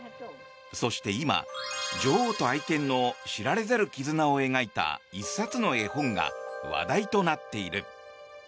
そして今、女王と愛犬の知られざる絆を描いた１冊の絵本が話題となっている。